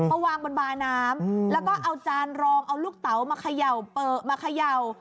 เอาวางบนบาน้ำแล้วก็เอาจานรองเอาลูกเต๋ามาเขย่า